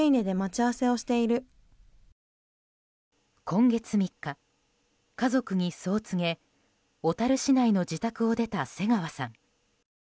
今月３日、家族にそう告げ小樽市内の自宅を出た瀬川さん。